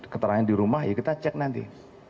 keterangan di rumah ya kita cek nanti